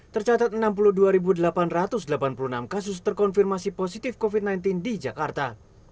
tercatat enam puluh dua delapan ratus delapan puluh enam kasus terkonfirmasi positif covid sembilan belas di jakarta